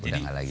udah nggak lagi